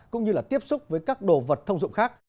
cũng như là tiếp xúc với các đồ vật thông dụng khác